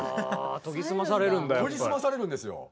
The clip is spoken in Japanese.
研ぎ澄まされるんですよ。